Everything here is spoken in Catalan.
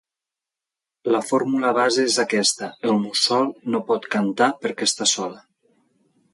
La fórmula base és aquesta: “El mussol no pot cantar perquè està sol.